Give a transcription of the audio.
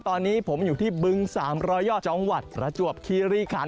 ตอนนี้ผมอยู่ที่บึง๓๐๐ยอดจังหวัดประจวบคีรีคัน